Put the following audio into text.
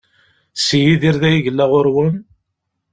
Si Yidir dagi i yella ɣur-wen?